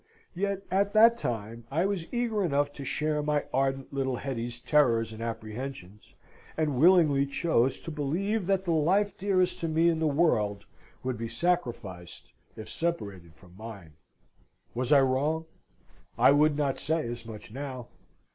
Yet, at that time, I was eager enough to share my ardent little Hetty's terrors and apprehensions, and willingly chose to believe that the life dearest to me in the world would be sacrificed if separated from mine. Was I wrong? I would not say as much now.